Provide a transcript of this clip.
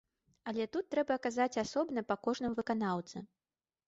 Але тут трэба казаць асобна па кожным выканаўцы.